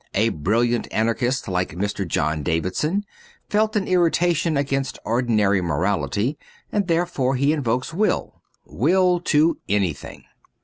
A brilliant anarchist like Mr. John Davidson felt an irritation against ordinary morality, and therefore he invokes will — will to anything.